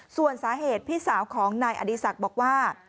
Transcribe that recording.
ส่วนสาเหตุพี่สาวของนายอดีศักดิ์บอกว่า